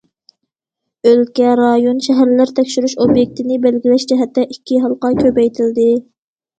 ئۆلكە، رايون، شەھەرلەر تەكشۈرۈش ئوبيېكتىنى بەلگىلەش جەھەتتە ئىككى ھالقا كۆپەيتىلدى.